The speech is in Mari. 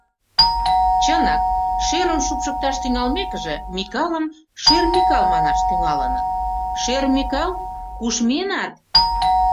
Чынак, шӧрым шупшыкташ тӱҥалмекыже, Микалым «Шӧр Микал» манаш тӱҥалыныт: «Шӧр Микал, куш миенат?